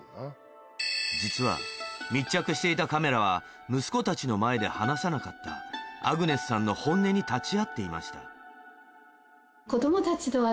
実は密着していたカメラは息子たちの前で話さなかったに立ち会っていました